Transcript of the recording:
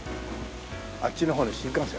あっちの方に新幹線。